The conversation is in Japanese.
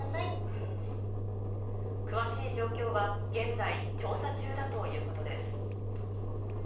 詳しい状況は現在、調査中だということです。